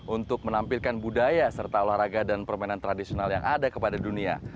untuk menampilkan budaya serta olahraga dan permainan tradisional yang ada kepada dunia